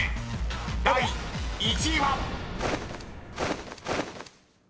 ［第１位は］